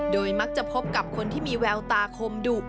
มักจะพบกับคนที่มีแววตาคมดุ